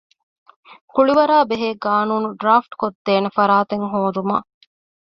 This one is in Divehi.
ކުޅިވަރާބެހޭ ޤާނޫނު ޑްރާފްޓްކޮށްދޭނެ ފަރާތެއް ހޯދުމަށް